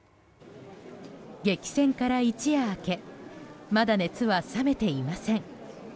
激戦から一夜明けまだ熱は冷めていません。